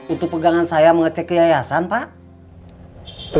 untuk pegangan saya mengecek ke yayasan pak